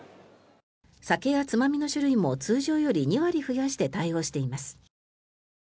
酒やつまみの種類も通常より２割増やして対応しています。